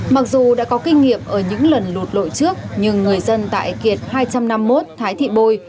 mặc dù đã có kinh nghiệm ở những lần lụt lội trước nhưng người dân tại kiệt hai trăm năm mươi một thái thị bôi